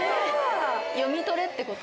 読み取れってこと？